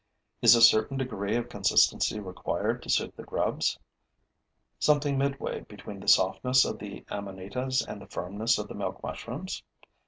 Is a certain degree of consistency required, to suit the grubs: something midway between the softness of the amanitas and the firmness of the milk mushrooms?